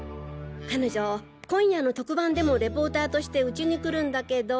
彼女今夜の特番でもレポーターとしてウチに来るんだけど。